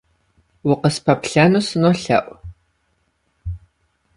Укъыспэплъэну сынолъэӏу.